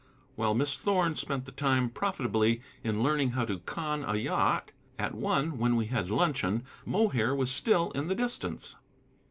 While Miss Thorn spent the time profitably in learning how to conn a yacht. At one, when we had luncheon, Mohair was still in the distance.